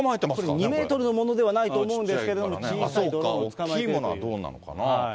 ２メートルのものではないと思うんですけども、小さいドロー大きいものはどうなのかな。